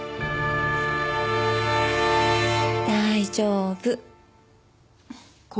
大丈夫。